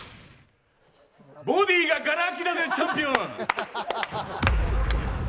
ボディーが、がら空きだぜチャンピオン。